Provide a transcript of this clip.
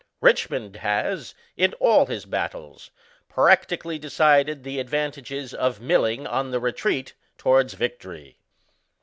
Richmond has, in all bis battles, practically decided the advantages of milling on the retreat towards victory.